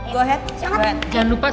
go ahead jangan lupa